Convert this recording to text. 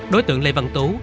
đối tượng lê văn tú